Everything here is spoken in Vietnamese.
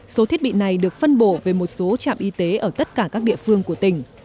số thiết bị này được phân bổ về một số trạm y tế ở tất cả các địa phương của tỉnh